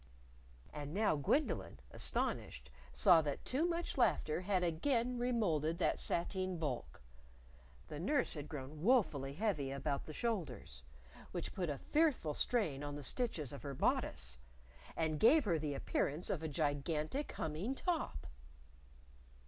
And now Gwendolyn, astonished, saw that too much laughter had again remolded that sateen bulk. The nurse had grown woefully heavy about the shoulders which put a fearful strain on the stitches of her bodice! and gave her the appearance of a gigantic humming top!